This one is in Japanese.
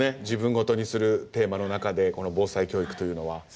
自分ごとにするテーマの中でこの防災教育というのは。